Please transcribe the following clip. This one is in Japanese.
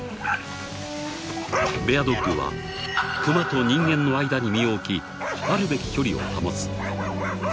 ［ベアドッグはクマと人間の間に身を置きあるべき距離を保つ］